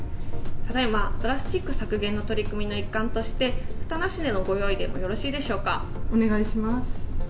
ただいまプラスチック削減の取り組みの一環としてふたなしでのご用意でもよろしいでしょうか。